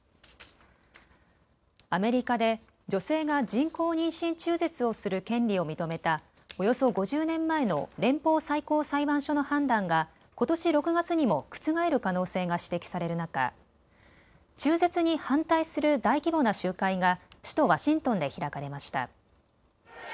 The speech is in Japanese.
アメリカで女性が人工妊娠中絶をする権利を認めたおよそ５０年前の連邦最高裁判所の判断がことし６月にも覆る可能性が指摘される中、中絶に反対する大規模な集会が首都ワシントンで開かれました。